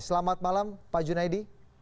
selamat malam pak junaidi